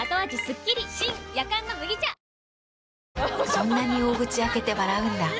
そんなに大口開けて笑うんだ。